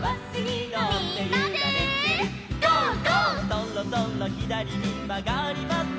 「そろそろひだりにまがります」